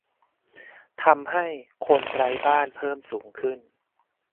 ทำให้ "คนไร้บ้าน" เพิ่มสูงขึ้น